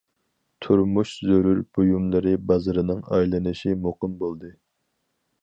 تۇرمۇش زۆرۈر بۇيۇملىرى بازىرىنىڭ ئايلىنىشى مۇقىم بولدى.